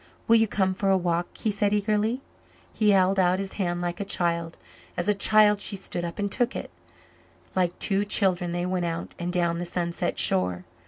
"Will you come for a walk," he said eagerly. He held out his hand like a child; as a child she stood up and took it; like two children they went out and down the sunset shore.